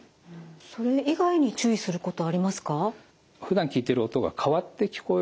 それ以外に注意することありますか？